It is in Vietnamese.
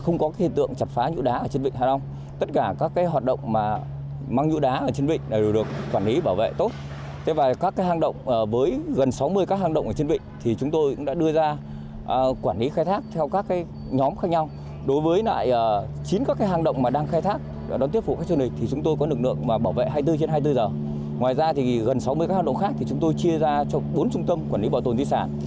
ngoài ra thì gần sáu mươi các hàng động khác thì chúng tôi chia ra cho bốn trung tâm quản lý bảo tồn di sản